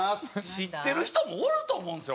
知ってる人もおると思うんですよ